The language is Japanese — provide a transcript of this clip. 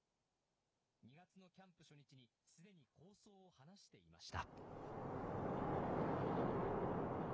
２月のキャンプ初日にすでに構想を話していました。